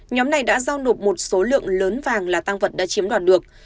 nhóm này đã giao nộp một số lượng lớn vàng là tăng vật đã chiếm đoạt được